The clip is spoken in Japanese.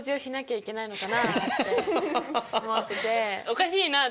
おかしいなって。